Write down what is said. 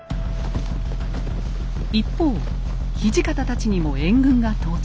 一方土方たちにも援軍が到着。